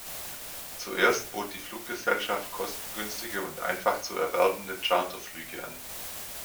Zuerst bot die Fluggesellschaft kostengünstige und einfach zu erwerbende Charterflüge an.